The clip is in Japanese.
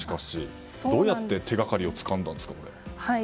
どうやって手がかりをつかんだんですか。